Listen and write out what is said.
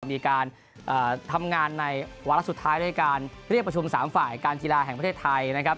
มีการทำงานในวาระสุดท้ายด้วยการเรียกประชุม๓ฝ่ายการกีฬาแห่งประเทศไทยนะครับ